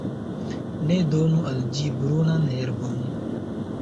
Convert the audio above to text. Ne donu al ĝi brunan herbon.